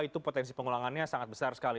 itu potensi pengulangannya sangat besar sekali